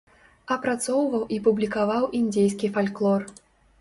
Апрацоўваў і публікаваў індзейскі фальклор.